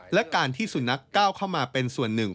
และการที่สุนัขก้าวเข้ามาเป็นส่วนหนึ่ง